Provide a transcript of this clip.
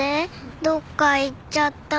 どっか行っちゃったの。